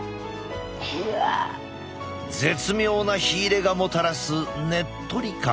絶妙な火入れがもたらすねっとり感。